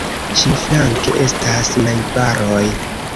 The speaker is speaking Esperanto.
Ĉiuflanke estas najbaroj.